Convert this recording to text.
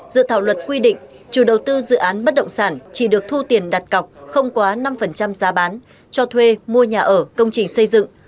dự thảo luật quy định chủ đầu tư dự án bất động sản chỉ được thu tiền đặt cọc không quá năm giá bán cho thuê mua nhà ở công trình xây dựng